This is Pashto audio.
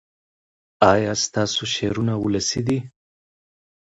ایا ستاسو شعرونه ولسي دي؟